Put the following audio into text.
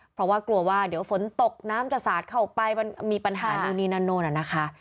เพราะว่ากลัวว่าเดี๋ยวฝนตกน้ำจะสาดเข้าไปมันมีปัญหานู่นนี่นั่นนู่นน่ะนะคะ